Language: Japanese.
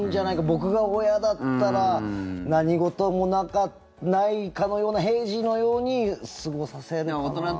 僕が親だったら何事もないかのような平時のように過ごさせるかな。